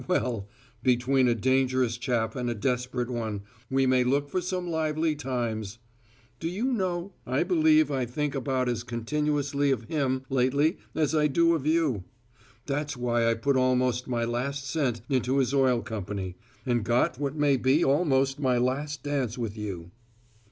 "Well between a dangerous chap and a desperate one, we may look for some lively times! Do you know, I believe I think about as continuously of him, lately, as I do of you. That's why I put almost my last cent into his oil company, and got what may be almost my last dance with you!"